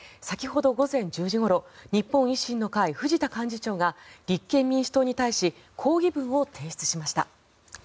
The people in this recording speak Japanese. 先ほど午前１０時ごろ日本維新の会、藤田幹事長が立憲民主党に対し抗議文を提出しました。